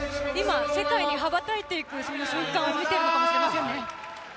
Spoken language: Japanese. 世界に羽ばたいていく瞬間を見ているのかもしれません。